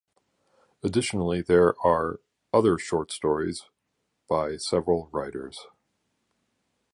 Additionally there are other short stories by several writers.